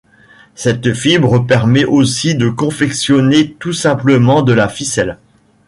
Cette fibre permet aussi de confectionner tout simplement de la ficelle.